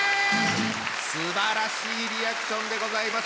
すばらしいリアクションでございます。